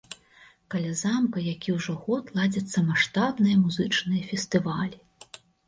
Каля замка які ўжо год ладзяцца маштабныя музычныя фестывалі.